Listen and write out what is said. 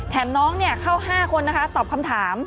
น้องเข้า๕คนนะคะตอบคำถาม